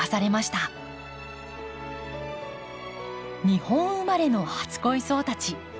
日本生まれの初恋草たち。